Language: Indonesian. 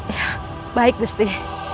ya baik gusti